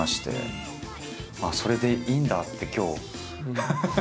ああそれでいいんだって今日。